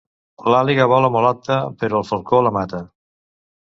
L'àliga vola molt alta, però el falcó la mata.